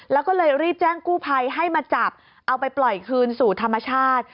แล้วก็เลยรีบแจ้งกู้ภัยให้มาจับเอาไปปล่อยคืนสู่ธรรมชาติ